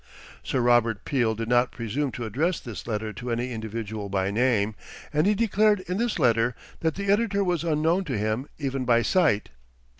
Sir Robert Peel did not presume to address this letter to any individual by name, and he declared in this letter that the editor was unknown to him even by sight.